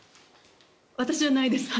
私はないです。